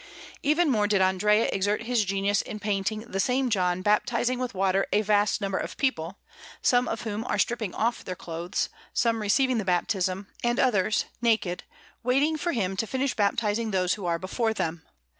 Even more did Andrea exert his genius in painting the same John baptizing with water a vast number of people, some of whom are stripping off their clothes, some receiving the baptism, and others, naked, waiting for him to finish baptizing those who are before them.